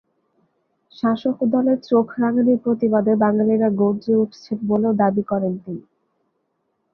শাসক দলের চোখরাঙানির প্রতিবাদে বাঙালিরা গর্জে উঠছেন বলেও দাবি করেন তিনি।